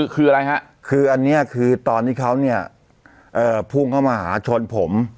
คืออะไรฮะคืออันนี้คือตอนที่เขาเนี่ยพุ่งเข้ามาหาชนผม